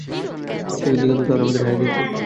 সে যদি খেলতো তাহলে আমাদের হারিয়ে দিতো?